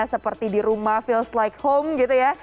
seperti di rumah feels like home gitu ya